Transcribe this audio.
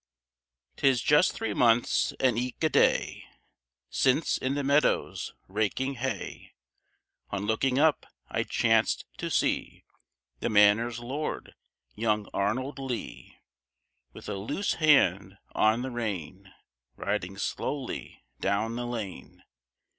'Tis just three months and eke a day, Since in the meadows, raking hay, On looking up I chanced to see The manor's lord, young Arnold Lee, With a loose hand on the rein, Riding slowly down the lane.